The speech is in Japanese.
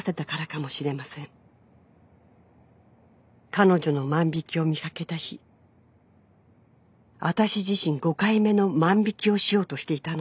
「彼女の万引を見掛けた日私自身５回目の万引をしようとしていたのです」